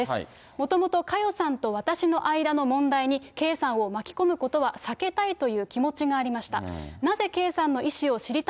もともと佳代さんと私の間の問題に、圭さんを巻き込むことはさけたいという気持ちがありました。